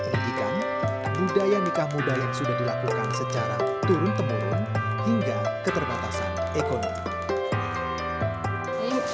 pendidikan budaya nikah muda yang sudah dilakukan secara turun temurun hingga keterbatasan ekonomi